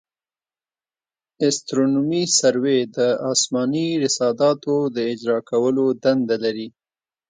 استرونومي سروې د اسماني رصاداتو د اجرا کولو دنده لري